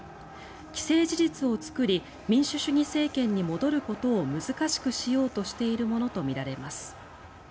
既成事実を作り民主主義政権に戻ることを難しくしようとしているものとみられます。